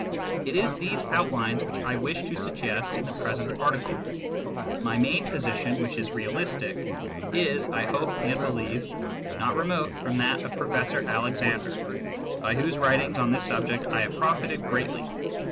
It is these outlines which I wish to suggest in the present article. My main position, which is realistic, is, I hope and believe, not remote from that of Professor Alexander, by whose writings on this subject I have profited greatly.